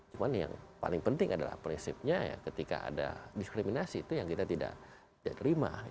cuma yang paling penting adalah prinsipnya ketika ada diskriminasi itu yang kita tidak terima